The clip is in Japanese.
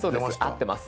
合ってます。